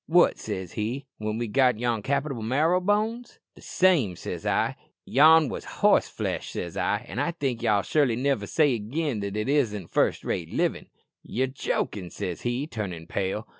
'" "'What,' says he, 'when we got yon capital marrowbones?'" "'The same,' says I. 'Yon wos horse flesh,' says I; 'an' I think ye'll surely niver say again that it isn't first rate livin'.'" "'Ye're jokin',' says he, turnin' pale."